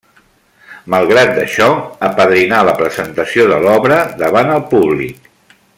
Malgrat d'això, apadrinà la presentació de l'obra davant el públic.